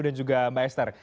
dan juga mbak esther